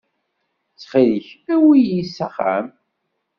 Ttxil-k awi-yi s axxam.